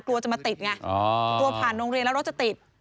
กลัวจะมาติดไงกลัวผ่านโรงเรียนแล้วรถจะติด